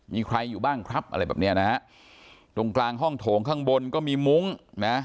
มีใครอยู่บ้างครับอะไรแบบเนี้ยนะฮะตรงกลางห้องโถงข้างบนก็มีมุ้งนะ